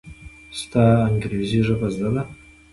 ستا انګرېزي ژبه زده ده!